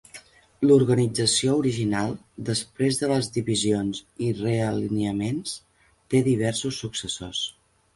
L'organització original, després de les divisions i realineaments, té diversos successors.